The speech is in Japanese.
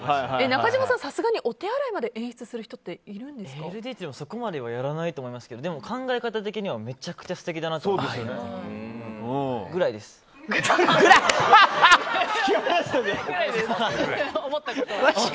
中島さん、さすがにお手洗いまで演出する人ＬＤＨでもそこまではやらないと思いますけど考え方的にはめちゃくちゃ素敵だなと突き放したな！